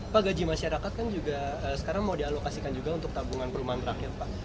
pak gaji masyarakat kan juga sekarang mau dialokasikan juga untuk tabungan perumahan rakyat pak